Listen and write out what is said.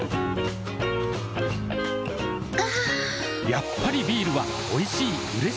やっぱりビールはおいしい、うれしい。